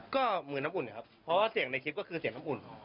ก็เหมือนน้ำอุ่นนะครับเพราะว่าเสียงในคลิปก็คือเสียงน้ำอุ่น